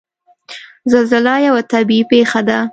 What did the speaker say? زلزله یوه طبعي پېښه ده.